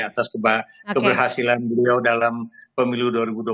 atas keberhasilan beliau dalam pemilu dua ribu dua puluh